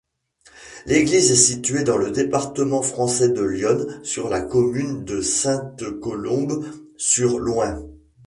L'église est située dans le département français de l'Yonne, sur la commune de Sainte-Colombe-sur-Loing.